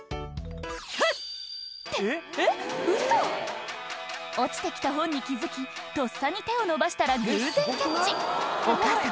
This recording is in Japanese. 「ふっ！ってえっウソ⁉」落ちて来た本に気付きとっさに手を伸ばしたら偶然キャッチお母さん